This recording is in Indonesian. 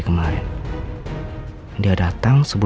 ini adalah perhitunganku tidak punya cara diperbeda